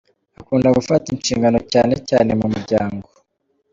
Akunda gufata inshingano cyane cyane mu muryango.